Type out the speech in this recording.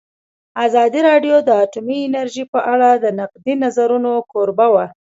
ازادي راډیو د اټومي انرژي په اړه د نقدي نظرونو کوربه وه.